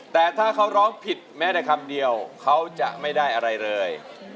แต่ถ้าเขาร้องผิดแม้แต่คำเดียวเขาจะไม่ได้อะไรเลย